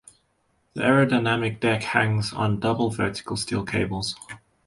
The aerodynamic deck hangs on double vertical steel cables.